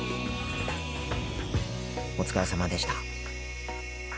お疲れさまでした。